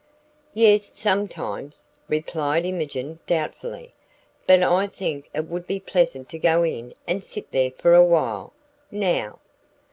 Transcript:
"Yes, sometimes," replied Imogen, doubtfully, "but I think it would be pleasant to go in and sit there for a while, now.